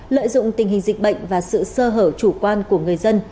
lợi dụng tình hình dịch bệnh và sự sơ hở chủ quan của người dân